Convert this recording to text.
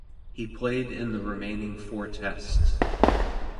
He played in the remaining four Tests.